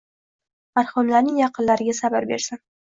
Marhumlarning yaqinlariga sabr bersin!